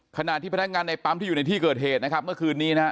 ขณะที่พนักงานในปั๊มที่อยู่ในที่เกิดเหตุนะครับเมื่อคืนนี้นะฮะ